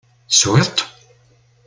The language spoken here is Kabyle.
Teswiḍ-t?